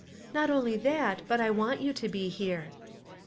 " Not only that, but I want you to be here."